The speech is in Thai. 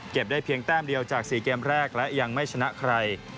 ได้เพียงแต้มเดียวจาก๔เกมแรกและยังไม่ชนะใคร